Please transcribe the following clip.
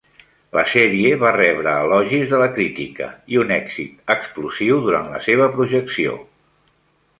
La sèrie va rebre elogis de la crítica i un èxit explosiu durant la seva projecció.